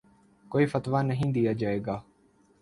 کوئی فتویٰ نہیں دیا جائے گا